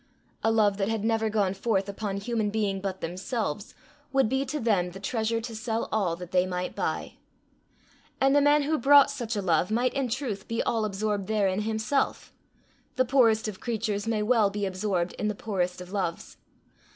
A love that had never gone forth upon human being but themselves, would be to them the treasure to sell all that they might buy. And the man who brought such a love might in truth be all absorbed therein himself: the poorest of creatures may well be absorbed in the poorest of loves.